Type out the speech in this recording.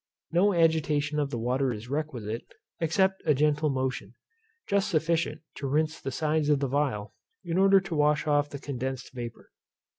No agitation of the water is requisite, except a gentle motion, just sufficient to rince the sides of the phial, in order to wash off the condensed vapour.